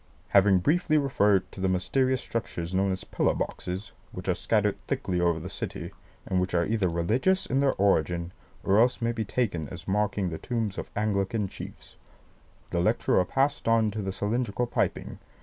Having briefly referred to the mysterious structures known as 'pillar boxes,' which are scattered thickly over the city, and which are either religious in their origin, or else may be taken as marking the tombs of Anglican chiefs, the lecturer passed on to the cylindrical piping.